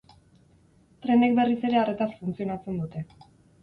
Trenek berriz ere arretaz funtzionatzen dute.